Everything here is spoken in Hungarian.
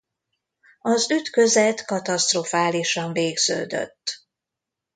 Az ütközet katasztrofálisan végződött.